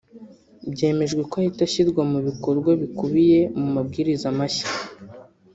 byemejwe ko ahita ashyirwa mu bikorwa bikubiye mu mabwiriza mashya